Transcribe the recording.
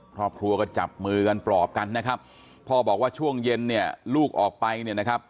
ครอบครัวก็จับมือกันปลอบกันนะครับพ่อบอกว่าช่วงเย็นเนี่ยลูกออกไปเนี่ยนะครับ